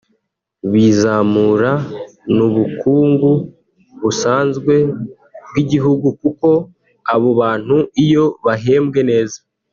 bizamura n’ubukungu busanzwe bw’igihugu kuko abo bantu iyo bahembwe neza